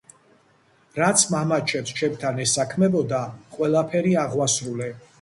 რაც მამაშენს ჩემთან ესაქმებოდა, ყველაფერი აღვასრულე.